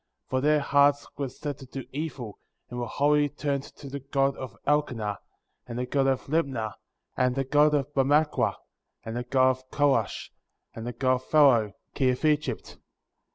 For their hearts were set to do evil, and were wholly turned to the god of Elkenah,^ and the god of Libnah, and the god of Mahmackrah, and the god of Korash^ and the god of Pharaoh, king of Egypt; 7.